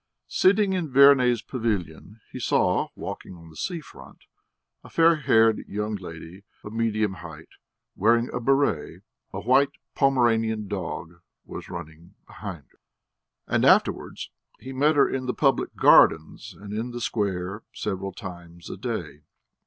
Sitting in Verney's pavilion, he saw, walking on the sea front, a fair haired young lady of medium height, wearing a béret; a white Pomeranian dog was running behind her. And afterwards he met her in the public gardens and in the square several times a day.